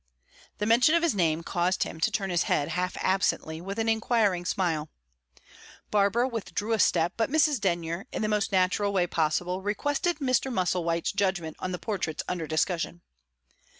The mention of his name caused him to turn his head, half absently, with an inquiring smile. Barbara withdrew a step, but Mrs. Denyer, in the most natural way possible, requested Mr. Musselwhite's judgment on the portraits under discussion.